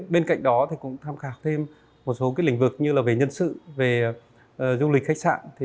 bên cạnh đó thì cũng tham khảo thêm một số lĩnh vực như là về nhân sự về du lịch khách sạn